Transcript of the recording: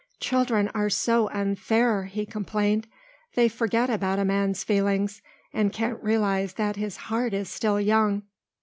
"Children are so unfair," he complained; "they forget about a man's feelings and can't realise that his heart is still young."